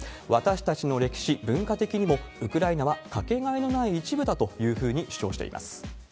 私たちの歴史、文化的にも、ウクライナは掛けがえのない一部だというふうに主張しています。